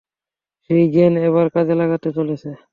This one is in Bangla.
সেই জ্ঞান এবার কাজে লাগতে চলেছে।